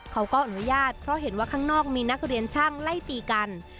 เขาก็อนุญาตเพราะเห็นว่าข้างนอกมีนักเรียนช่างไล่ตีกัน